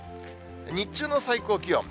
日中の最高気温。